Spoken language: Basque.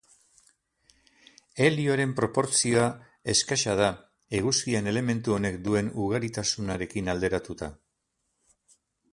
Helioaren proportzioa eskasa da, Eguzkian elementu honek duen ugaritasunarekin alderatuta.